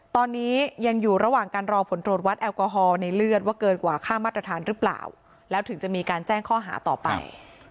ตอนนี้ยังอยู่ระหว่างการรอผลตรวจวัดแอลกอฮอลในเลือดว่าเกินกว่าค่ามาตรฐานหรือเปล่าแล้วถึงจะมีการแจ้งข้อหาต่อไป